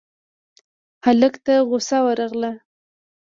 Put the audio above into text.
هلک ته غوسه ورغله: